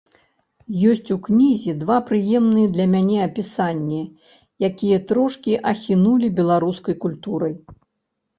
Ёсць у кнізе два прыемныя для мяне апісанні, якія трошкі ахінулі беларускай культурай.